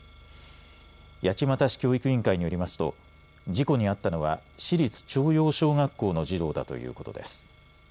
八街市教育委員会によりますと事故に遭ったのは市立朝陽小学校の児童だということです。